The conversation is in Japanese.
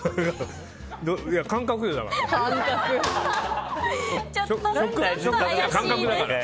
感覚よ、だから。